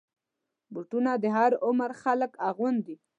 بوټونه د هر عمر خلک اغوندي.